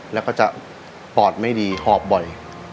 แล้วก็จะปอดไม่ดีหอบบ่อย